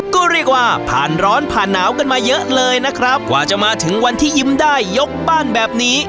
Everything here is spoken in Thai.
ก็เรียกว่าผ่านร้อนผ่านหนาวกันมาเยอะเลยนะครับกว่าจะมาถึงวันที่ยิ้มได้ยกบ้านแบบนี้